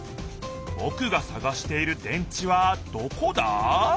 ぼくがさがしている電池はどこだ？